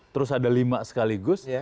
terus ada lima sekaligus